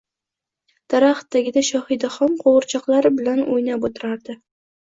Daraxt tagida Shohidaxon qo`g`irchoqlari bilan o`nab o`tirardi